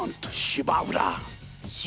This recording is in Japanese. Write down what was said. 芝浦？